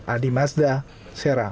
adi mazda serang